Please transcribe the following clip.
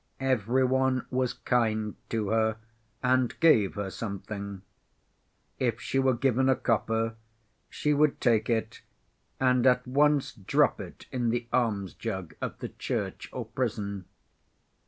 Every one was kind to her and gave her something. If she were given a copper, she would take it, and at once drop it in the alms‐jug of the church or prison.